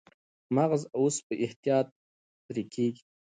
مغز اوس په احتیاط پرې کېږي.